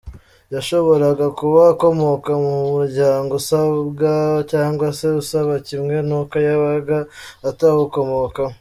Yashoboraga kuba akomoka mu muryango usabwa cyangwa se usaba, kimwe n’uko yabaga atawukomokamo.